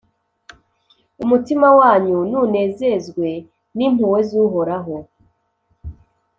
Umutima wanyu nunezezwe n’impuhwe z’Uhoraho,